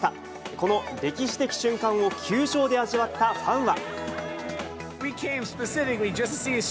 この歴史的瞬間を球場で味わったファンは。